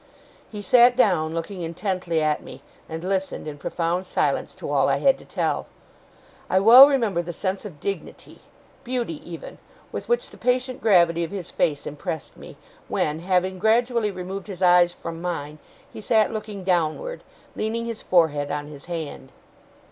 He sat down, looking intently at me, and listened in profound silence to all I had to tell. I well remember the sense of dignity, beauty even, with which the patient gravity of his face impressed me, when, having gradually removed his eyes from mine, he sat looking downward, leaning his forehead on his hand.